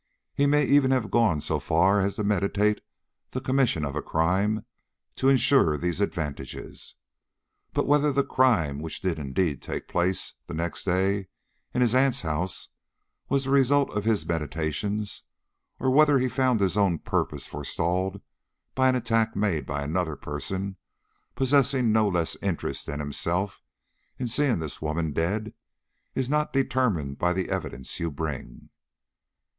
He may even have gone so far as to meditate the commission of a crime to insure these advantages. But whether the crime which did indeed take place the next day in his aunt's house was the result of his meditations, or whether he found his own purpose forestalled by an attack made by another person possessing no less interest than himself in seeing this woman dead, is not determined by the evidence you bring."